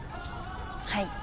はい。